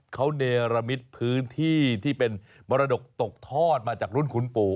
เขาเนรมิตพื้นที่ที่เป็นมรดกตกทอดมาจากรุ่นคุณปู่